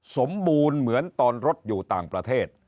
สมบูรณ์เหมือนตอนรถอยู่ต่างประเทศ